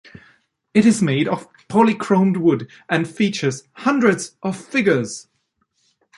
It is made from polychromed wood and features hundreds of figures.